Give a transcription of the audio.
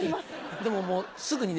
でももうすぐにね